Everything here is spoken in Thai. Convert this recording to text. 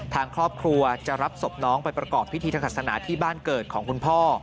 ทางครอบครัวจะรับศพน้องไปประกอบพิธีทางศาสนาที่บ้านเกิดของคุณพ่อ